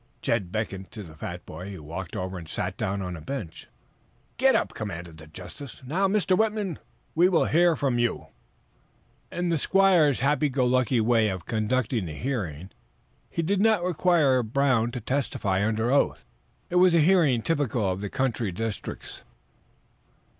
Jed beckoned to the fat boy, who walked over and sat down on a bench. "Get up!" commanded the justice. "Now, Mr. Whitman, we will hear from you." In the squire's happy go lucky way of conducting the hearing, he did not require Brown to testify under oath. It was a hearing typical of the country districts.